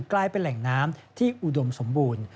กลายเป็นแหล่งน้ำที่อุดมสมบูรณ์